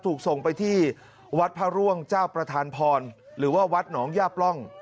ถูกส่งไปที่วัดพระร่วงเจ้าประธานพรหรือว่าวัดหนองย่าปล่อง